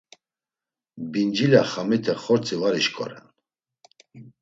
Bincila xamite xortzi var işǩoren.